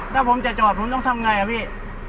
ถ้าผมจะจอดผมต้องทำไงอ่ะพี่